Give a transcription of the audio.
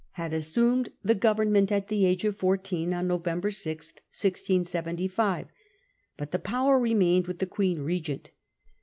had assumed the government at the age of fourteen on November 6, 1675. But the power remained with the Queen Regent.